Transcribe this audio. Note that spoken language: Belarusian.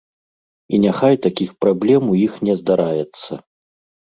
І няхай такіх праблем у іх не здараецца!